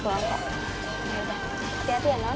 yaudah hati hati ya non